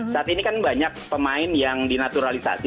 saat ini kan banyak pemain yang dinaturalisasi